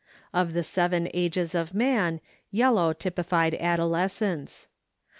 Of the seven ages of man yellow typified adolescence.